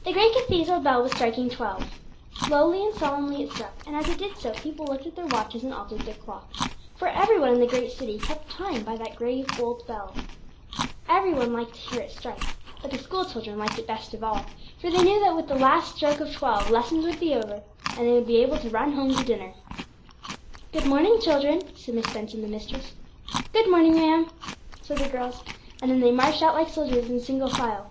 The great cathedral bell was striking twelve. Slowly and solemnly it struck, and as it did so people looked at their watches and altered their clocks, for every one in the great city kept time by that grave old bell. Every one liked to hear it strike; but the school children liked it best of all, for they knew that with the last stroke of twelve lessons would be over, and they would be able to run home to dinner. 'Good morning, children,' said Miss Benson, the mistress. 'Good morning, ma'am,' said the girls, and then they marched out like soldiers in single file.